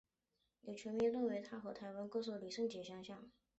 有球迷认为梁振邦与香港歌手张敬轩和台湾歌手李圣杰相像。